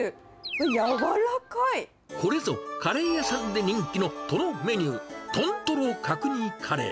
これぞ、カレー屋さんで人気のトロメニュー、豚トロ角煮カレー。